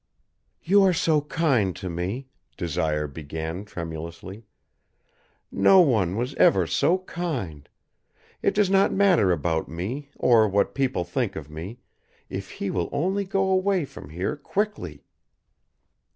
"You are so kind to me," Desire began tremulously. "No one was ever so kind! It does not matter about me, or what people think of me, if he will only go from here quickly."